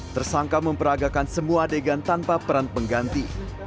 tersangka memperagakan semua adegan tanpa peran pengganti